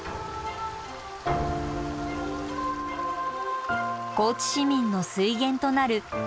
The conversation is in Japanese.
高知市民の水源となる鏡川。